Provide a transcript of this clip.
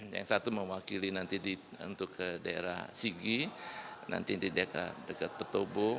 yang satu mewakili nanti untuk ke daerah sigi nanti di dekat petobo